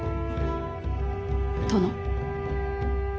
殿。